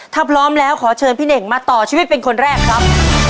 ถ้าพร้อมแล้วขอเชิญพี่เน่งมาต่อชีวิตเป็นคนแรกครับ